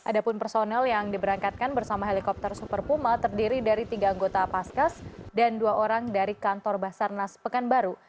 ada pun personel yang diberangkatkan bersama helikopter super puma terdiri dari tiga anggota paskas dan dua orang dari kantor basarnas pekanbaru